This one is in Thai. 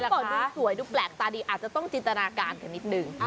แต่ก่อนดูสวยดูแปลกตาดีอาจจะต้องจินตนาการกันนิดนึง